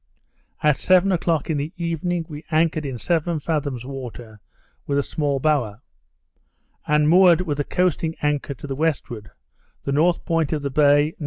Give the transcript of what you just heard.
At seven o'clock in the evening, we anchored in seven fathoms water, with a small bower, and moored with the coasting anchor to the westward, the north point of the bay N.N.